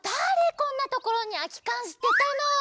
こんなところにあきかんすてたの！